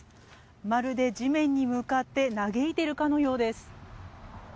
まるで地面に向かって嘆いているかのようです。